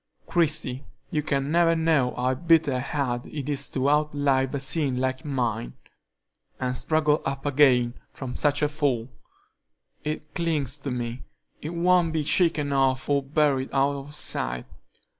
Christie, you can never know how bitter hard it is to outlive a sin like mine, and struggle up again from such a fall. It clings to me; it won't be shaken off or buried out of sight.